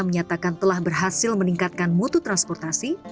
menyatakan telah berhasil meningkatkan mutu transportasi